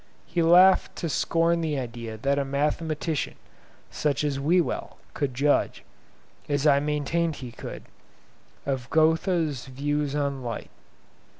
He laughed to scorn the idea that a mathematician, such as Whewell, could judge, as I maintained he could, of Goethe's views on light.